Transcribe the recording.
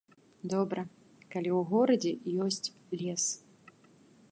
Добра, калі ў горадзе ёсць лес.